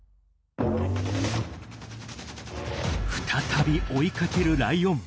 再び追いかけるライオン。